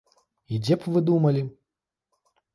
І дзе б вы думалі?